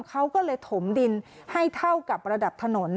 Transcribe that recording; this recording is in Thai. เขาก็เลยถมดินให้เท่ากับระดับถนน